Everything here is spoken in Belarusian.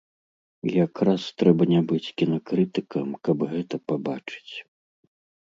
Якраз трэба не быць кінакрытыкам, каб гэта пабачыць.